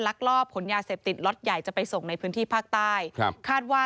ลักลอบขนยาเสพติดล็อตใหญ่จะไปส่งในพื้นที่ภาคใต้ครับคาดว่า